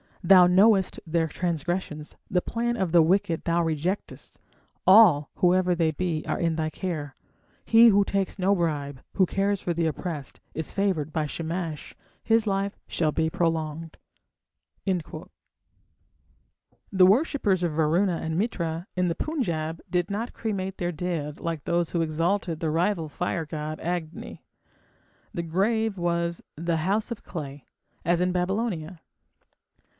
Thou knowest their transgressions, the plan of the wicked thou rejectest. All, whoever they be, are in thy care.... He who takes no bribe, who cares for the oppressed, Is favoured by Shamash, his life shall be prolonged. The worshippers of Varuna and Mitra in the Punjab did not cremate their dead like those who exalted the rival fire god Agni. The grave was the "house of clay", as in Babylonia.